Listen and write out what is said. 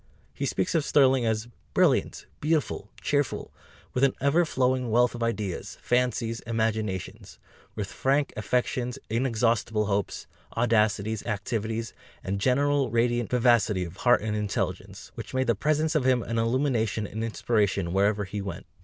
He speaks of Sterling as "brilliant, beautiful, cheerful with an ever flowing wealth of ideas, fancies, imaginations ... with frank affections, inexhaustible hopes, audacities, activities, and general radiant vivacity of heart and intelligence, which made the presence of him an illumination and inspiration wherever he went."